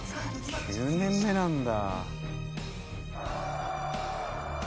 「９年目なんだ」